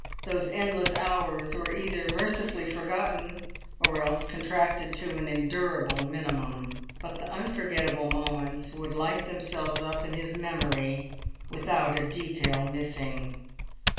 Those endless hours were either mercifully forgotten or else contracted to an endurable minimum; but the unforgettable moments would light themselves up in his memory without a detail missing.